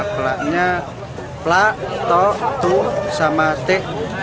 pelaknya pelak tok tu sama te